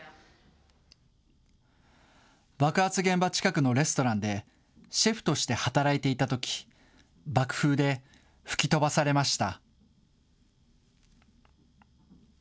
爆発現場近くのレストランで、シェフとして働いていたとき、爆風で吹き飛ばされました。